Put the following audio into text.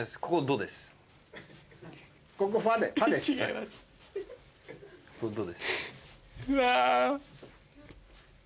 うわ。